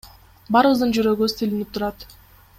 Баарыбыздын жүрөгүбүз тилинип турат.